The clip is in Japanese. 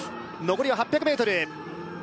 残りは８００ｍ